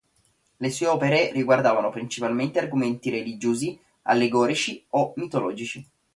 Le sue opere riguardavano principalmente argomenti religiosi, allegorici o mitologici.